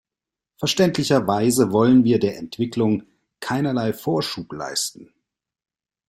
Verständlicherweise wollen wir der Entwicklung keinerlei Vorschub leisten.